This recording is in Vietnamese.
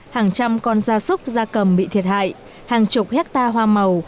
hàng trăm con da súc da cầm bị thiệt hại hàng chục hectare hoa màu